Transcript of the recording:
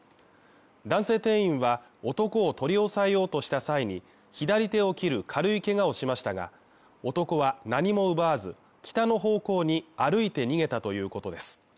男性店員は男を取り押さえようとした際に左手を切る軽いけがをしましたが、男は何も奪わず、北の方向に歩いて逃げたということです。